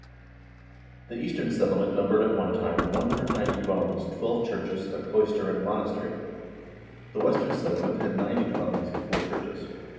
5 The Eastern Settlement numbered at one time 190 dwellings, twelve churches, a cloister, and a monastery; the Western Settle ment had ninety dwellings and four churches.